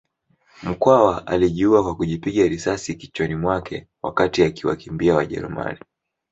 Mkwawa alijiua kwa kujipiga risasi kichwani mwake wakati akiwakimbia Wajerumani